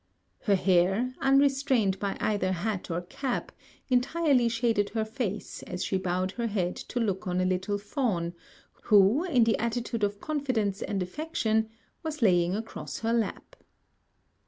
Her hair, unrestrained by either hat or cap, entirely shaded her face as she bowed her head to look on a little fawn, who in the attitude of confidence and affection was laying across her lap.